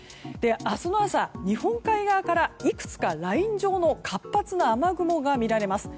明日の朝、日本海側からいくつかライン状の活発な雨雲が見られます。